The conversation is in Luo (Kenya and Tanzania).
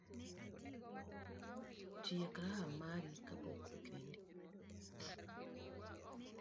Tiek raha mari kapok okendi